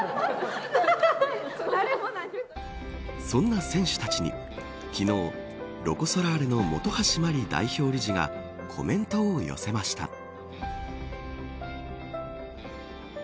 そんな選手たちに昨日ロコ・ソラーレの本橋麻里代表理事がコメントを寄せました。